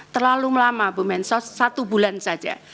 terlalu lama bu mensos satu bulan saja